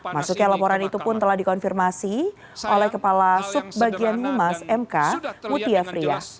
maksudnya laporan itu pun telah dikonfirmasi oleh kepala subbagian mimas mk mutia fria